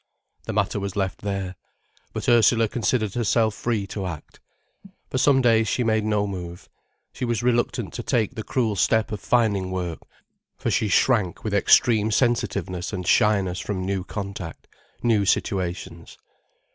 The matter was left there. But Ursula considered herself free to act. For some days she made no move. She was reluctant to take the cruel step of finding work, for she shrank with extreme sensitiveness and shyness from new contact, new situations.